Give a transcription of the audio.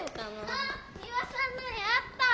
あっ三輪さんの絵あった！